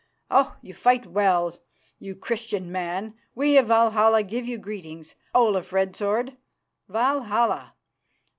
Oh! you fight well, you Christian man. We of Valhalla give you greetings, Olaf Red Sword. _Valhalla!